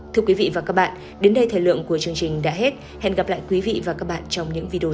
thưa quý vị và các bạn đến đây thời lượng của chương trình đã hết hẹn gặp lại quý vị và các bạn trong những video